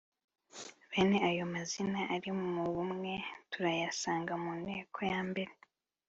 bene ayomazina ari mu bumwe turayasanga mu nteko ya mbere